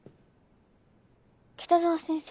北澤先生